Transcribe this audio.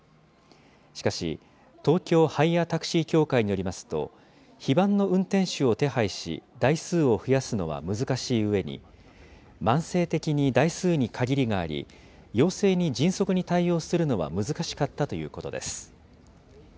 しかし、東京ハイヤー・タクシー協会によりますと、非番の運転手を手配し、台数を増やすのは難しいうえに、慢性的に台数に限りがあり、要請に迅速に対応するのは難しかったということです。